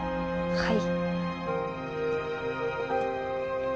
はい。